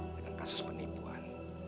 dengan kasus penipuan